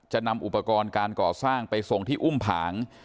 นำอุปกรณ์การก่อสร้างไปส่งที่อุ้มผาง